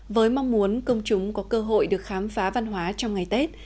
với mong muốn công chúng có cơ hội được khám phá văn hóa trong ngày tết